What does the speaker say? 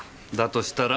としたら